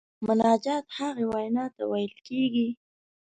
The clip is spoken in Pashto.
مناجات هغې وینا ته ویل کیږي.